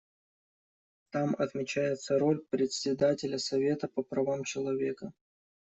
Там отмечается роль Председателя Совета по правам человека.